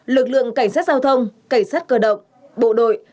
lực lượng cảnh sát giao thông cảnh sát cơ động bộ đội